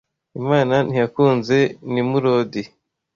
Imana ntiyakunze Nimurodi